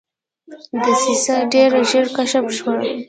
دسیسه ډېره ژر کشف شوه.